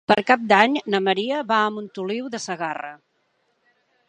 Per Cap d'Any na Maria va a Montoliu de Segarra.